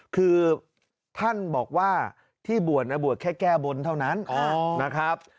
คือท่านบอกว่าที่บวชบวชแค่แก้บนเท่านั้นนะครับ